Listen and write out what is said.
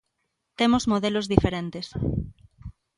Temos modelos diferentes.